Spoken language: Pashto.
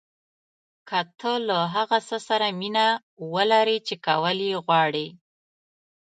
که تۀ له هغه څه سره مینه ولرې چې کول یې غواړې.